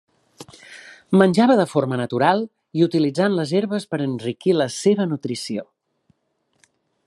Menjava de forma natural i utilitzar les herbes per enriquir la seva nutrició.